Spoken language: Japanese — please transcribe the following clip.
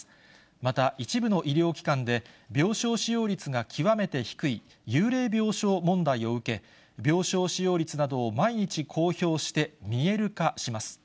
また、一部の医療機関で、病床使用率が極めて低い、幽霊病床問題を受け、病床使用率などを毎日公表して見える化します。